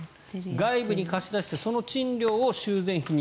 外部に貸し出してその賃料を修繕費に